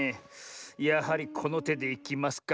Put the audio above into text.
やはりこのてでいきますか。